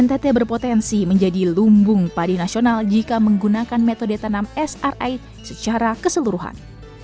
ntt berpotensi menjadi lumbung padi nasional jika menggunakan metode tanam sri secara keseluruhan